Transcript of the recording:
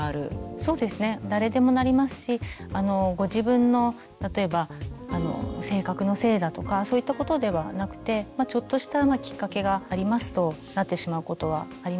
そうですね誰でもなりますしご自分の例えば性格のせいだとかそういったことではなくてちょっとしたきっかけがありますとなってしまうことはありまして。